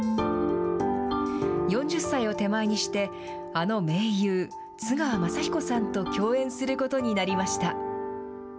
４０歳を手前にして、あの名優、津川雅彦さんと共演することになりました。